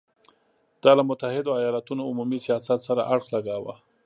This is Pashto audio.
دا له متحدو ایالتونو عمومي سیاست سره اړخ لګاوه.